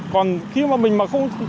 còn khi mà mình mà không